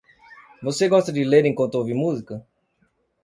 Você gosta de ler enquanto ouve música?